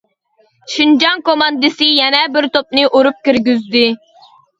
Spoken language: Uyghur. -شىنجاڭ كوماندىسى يەنە بىر توپنى ئۇرۇپ كىرگۈزدى.